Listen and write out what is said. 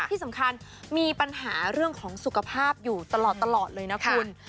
ที่สำคัญมีปัญหาเรื่องของสุขภาพอยู่ตลอดเลยนะคุณ